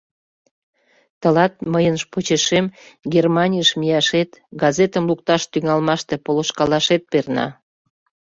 — Тылат мыйын почешем Германийыш мияшет, газетым лукташ тӱҥалмаште полышкалашет перна.